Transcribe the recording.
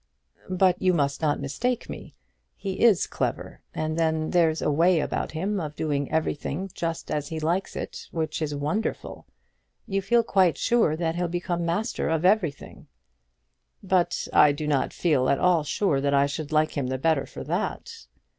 "But you must not mistake me. He is clever; and then there's a way about him of doing everything just as he likes it, which is wonderful. You feel quite sure that he'll become master of everything." "But I do not feel at all sure that I should like him the better for that!"